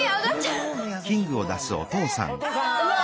うわ！